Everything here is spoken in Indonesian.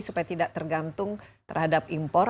supaya tidak tergantung terhadap impor